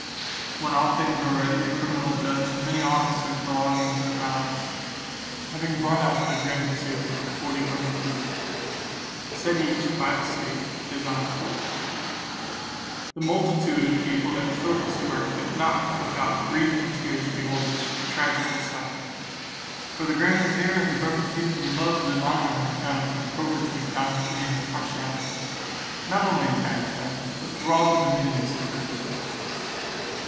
When all things were ready, the criminal judge, and many officers belonging to the palace, having brought out the grand vizier with the forty Bermukkees, set each by the stake designed for him. The multitude of people that filled the square could not without grief and tears behold this tragical sight; for the grand vizier and the Bermukkees were loved and honoured on account of their probity, bounty, and impartiality, not only in Bagdad, but through all the dominions of the caliph.